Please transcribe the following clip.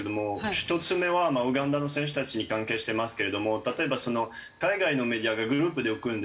１つ目はウガンダの選手たちに関係してますけれども例えば海外のメディアがグループで動くんですよね。